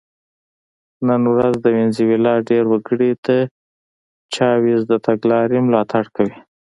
نن ورځ د وینزویلا ډېر وګړي د چاوېز د تګلارې ملاتړ کوي.